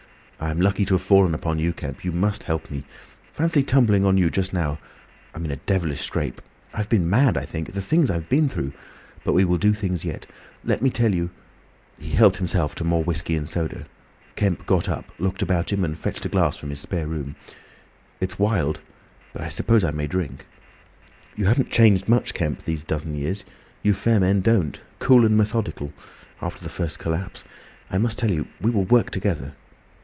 "I'm lucky to have fallen upon you, Kemp. You must help me. Fancy tumbling on you just now! I'm in a devilish scrape—I've been mad, I think. The things I have been through! But we will do things yet. Let me tell you—" He helped himself to more whiskey and soda. Kemp got up, looked about him, and fetched a glass from his spare room. "It's wild—but I suppose I may drink." "You haven't changed much, Kemp, these dozen years. You fair men don't. Cool and methodical—after the first collapse. I must tell you. We will work together!"